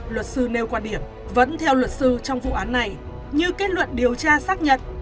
luật sư nêu quan điểm vẫn theo luật sư trong vụ án này như kết luận điều tra xác nhận